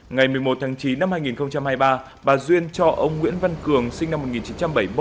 ngày một mươi một tháng chín năm hai nghìn hai mươi ba bà duyên cho ông nguyễn văn cường sinh năm một nghìn chín trăm bảy mươi